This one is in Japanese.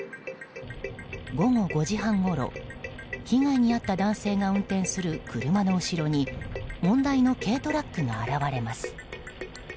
午後５時半ごろ被害に遭った男性が運転する車の後ろに問題の軽トラックが現れます。